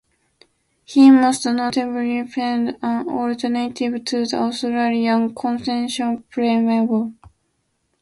He most notably penned an alternative to the Australian Constitution Preamble.